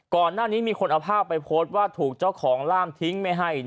ก่อนหน้านี้มีคนเอาภาพไปโพสต์ว่าถูกเจ้าของล่ามทิ้งไม่ให้